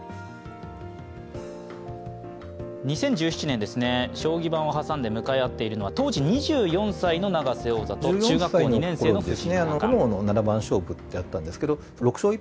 ２０１７年、将棋盤を挟んで向かい合っているのは当時２４歳の永瀬王座と中学２年生の藤井七冠。